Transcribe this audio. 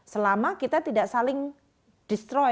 selama kita tidak saling distroy